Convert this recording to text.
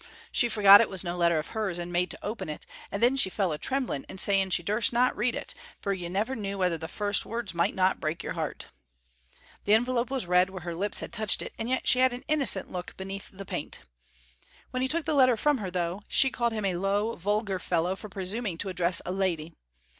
She forgot it was no letter of hers, and made to open it, and then she fell a trembling and saying she durst not read it, for you never knew whether the first words might not break your heart. The envelope was red where her lips had touched it, and yet she had an innocent look beneath the paint. When he took the letter from her, though, she called him a low, vulgar fellow for presuming to address a lady.